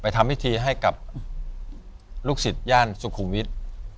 ทำพิธีให้กับลูกศิษย่านสุขุมวิทย์